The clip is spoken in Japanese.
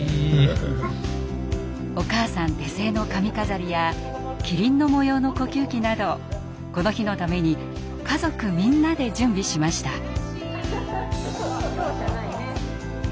お母さん手製の髪飾りやキリンの模様の呼吸器などこの日のために家族みんなで準備しました。